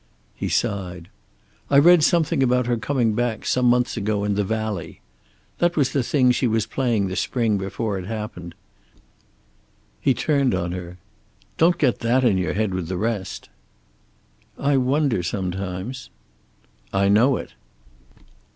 He sighed. "I read something about her coming back, some months ago, in 'The Valley.' That was the thing she was playing the spring before it happened." He turned on her. "Don't get that in your head with the rest." "I wonder, sometimes." "I know it."